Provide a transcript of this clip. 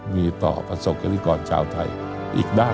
มีต่อประสบการณ์ที่ก่อนชาวไทยอีกได้